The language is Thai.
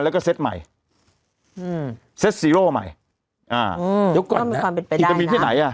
แล้วก็เซตใหม่อืมเซตสีโร่ใหม่อ่าอืมมีความเป็นไปได้ไหมจะมีที่ไหนอ่ะ